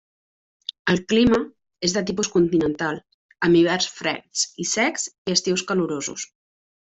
El clima és de tipus continental, amb hiverns freds i secs i estius calorosos.